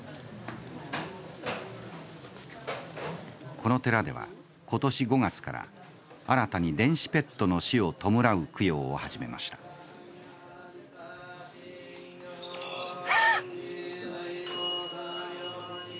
この寺では今年５月から新たに電子ペットの死を弔う供養を始めましたえ。